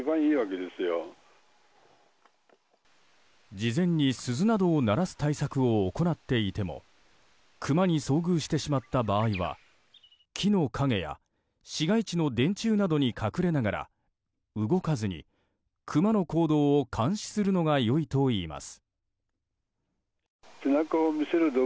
事前に鈴などを鳴らす対策を行っていてもクマに遭遇してしまった場合は木の陰や市街地の電柱などに隠れながら動かずにクマの行動を監視するのが良いといいます。